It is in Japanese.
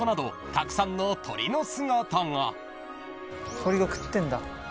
鳥が食ってんだ。